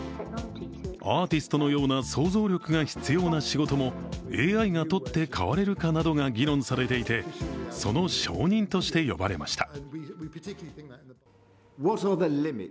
アーティストのような創造力が必要な仕事もＡＩが取って代われるかなどが議論されていてその証人として呼ばれました。